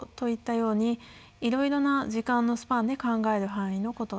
ようにいろいろな時間のスパンで考える範囲のことです。